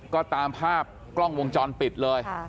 ก็ตามภาพกล้องวงจรปิดเลย